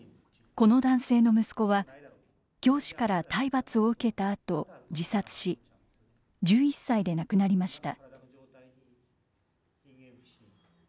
この男性の息子は教師から体罰を受けたあと自殺し１１歳で亡くなりました。